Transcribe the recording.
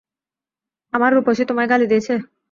আমার রুপসী তোমায় গালি দিয়েছে?